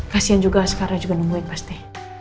kasian juga sekarang juga nemuin pasti